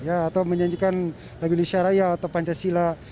atau menyanyikan lagu indonesia raya atau pancasila